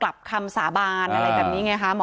การแก้เคล็ดบางอย่างแค่นั้นเอง